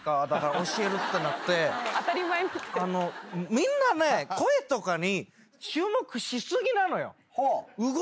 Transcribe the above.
みんなね声とかに注目し過ぎなのよ。